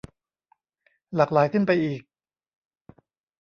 หลากหลายขึ้นไปอีก